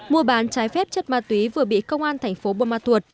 mua bán trái phép chất ma túy vừa bị công an thành phố buôn ma thuột